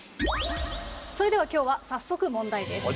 それでは今日は早速問題です。